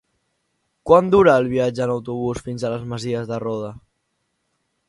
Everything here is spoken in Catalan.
Quant dura el viatge en autobús fins a les Masies de Roda?